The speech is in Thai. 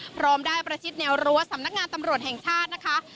พร้อมได้ประชิดแนวรั้วสำนักงานตำรวจแห่งชาตินะคะ